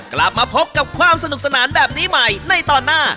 กลับมาพบกับความสนุกสนานแบบนี้ใหม่ในตอนหน้า